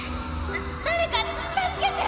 誰か助けて！